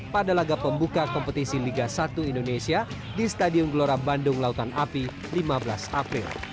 pada laga pembuka kompetisi liga satu indonesia di stadion gelora bandung lautan api lima belas april